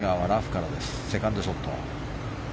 タイガーはラフからセカンドショット。